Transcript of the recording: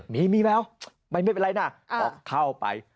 มีมีไหมไม่เป็นไรนะออกเข้าไป